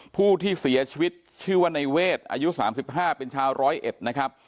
ผู้ที่เสียชีวิตชื่อว่าในเวทอายุ๓๕เป็นชาวร้อยเอ็ดนะครับ